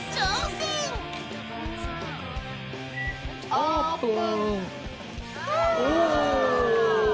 オープン！